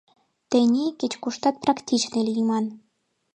Тений кеч-куштат практичный лийман.